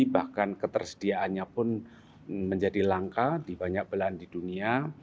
bahkan ketersediaannya pun menjadi langka di banyak belahan di dunia